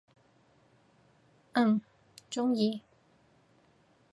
嗯，中意！